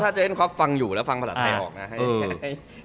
ถ้าจะเห็นครอบฟังอยู่แล้วฟังผลัดไทยออกนะ